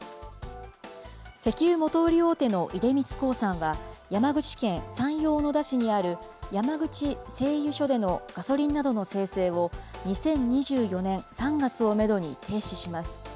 石油元売り大手の出光興産は、山口県山陽小野田市にある山口製油所でのガソリンなどの精製を、２０２４年３月をメドに停止します。